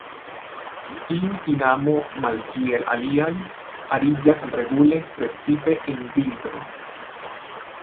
Tiu tinamo, malkiel aliaj, ariĝas regule, precipe en vintro.